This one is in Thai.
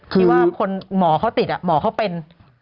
คิดว่าหมอเค้าติดอะหมอเค้าเป็น